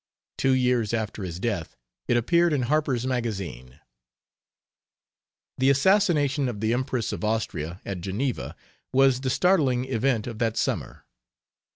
Two years after his death it appeared in Harper's Magazine. The assassination of the Empress of Austria at Geneva was the startling event of that summer.